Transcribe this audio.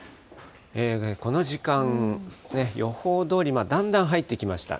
この時間、予報どおりだんだん入ってきました。